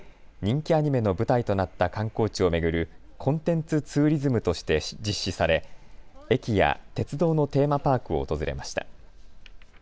人気アニメの舞台となった観光地を巡るコンテンツツーリズムとして実施され駅や鉄道のテーマパークを訪れました。